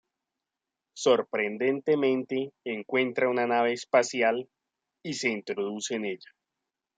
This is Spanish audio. Sorprendentemente, encuentra una nave espacial y se introduce en ella.